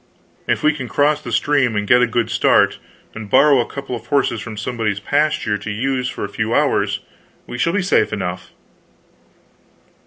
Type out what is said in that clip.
If we can cross the stream and get a good start, and borrow a couple of horses from somebody's pasture to use for a few hours, we shall be safe enough."